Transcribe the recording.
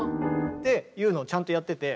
っていうのをちゃんとやってて。